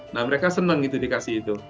nah mereka senang gitu dikasih itu